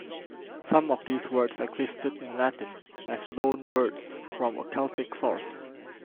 Some of these words existed in Latin as loanwords from a Celtic source.